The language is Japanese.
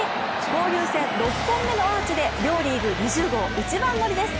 交流戦６本目のアーチで、両リーグ２０号一番乗りです。